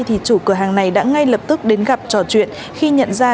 thì chủ cửa hàng này đã ngay lập tức đến gặp trò chuyện khi nhận ra